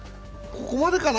ここまでか。